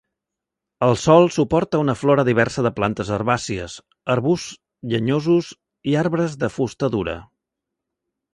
El sòl suporta una flora diversa de plantes herbàcies, arbusts llenyosos i arbres de fusta dura.